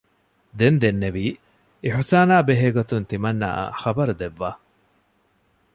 ދެން ދެންނެވީ އިޙުސާނާ ބެހޭ ގޮތުން ތިމަންނާއަށް ޚަބަރު ދެއްވާ